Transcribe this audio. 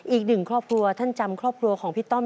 อีกหนึ่งครอบครัวท่านจำครอบครัวของพี่ต้อม